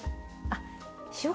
あっ！